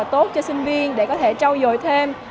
tốt cho sinh viên để có thể trao dồi thêm